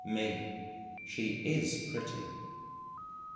me, she is pretty.